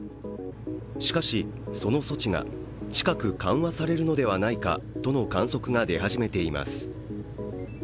しかし、その措置が近く緩和されるのではないかとの観測が出始めています。